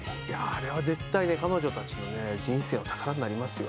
あれは絶対ね彼女たちのね人生の宝になりますよ。